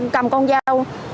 cầm con dao